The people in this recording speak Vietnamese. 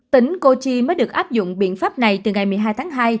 tỉnh kochi mới được áp dụng biện pháp này từ ngày một mươi hai tháng hai